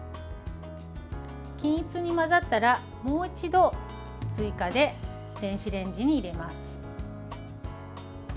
均一に混ざったらもう一度追加で電子レンジに入れます。